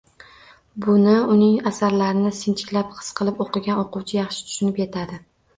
Buni uning asarlarini sinchiklab, his qilib o‘qigan o‘quvchi yaxshi tushunib yetadi